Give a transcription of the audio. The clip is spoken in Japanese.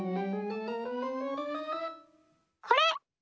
これ！